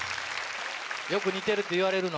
よく似てるって言われるの？